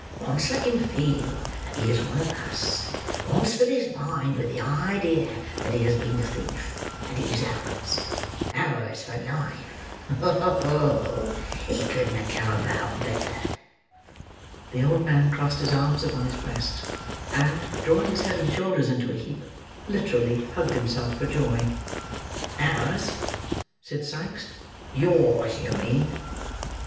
Once let him feel that he is one of us; once fill his mind with the idea that he has been a thief; and he's ours! Ours for his life. Oho! It couldn't have come about better!" The old man crossed his arms upon his breast; and, drawing his head and shoulders into a heap, literally hugged himself for joy. "Ours!" said Sikes. "Yours, you mean."